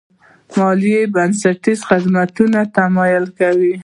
مالیه د بنسټیزو خدماتو تمویل کوي.